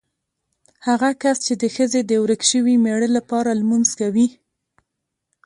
هغه کس چې د ښځې د ورک شوي مېړه لپاره لمونځ کوي.